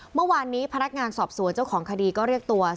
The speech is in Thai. เมื่อวานนี้พนักงานสอบสวนเจ้าของคดีก็เรียกตัว